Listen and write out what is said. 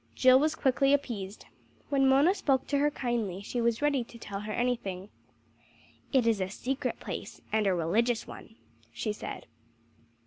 Jill was quickly appeased. When Mona spoke to her kindly she was ready to tell her anything. "It is a secret place, and a religious one," she said.